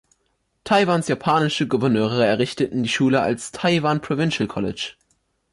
Taiwans japanische Gouverneure errichteten die Schule als Taiwan Provincial College.